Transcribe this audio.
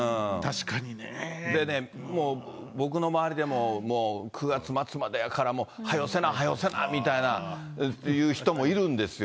でね、もう僕の周りでも、もう９月末までやから、もうはよせな、はよせなみたいないう人もいるんですよ。